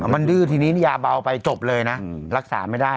มันดื้อทีนี้ยาเบาไปจบเลยนะรักษาไม่ได้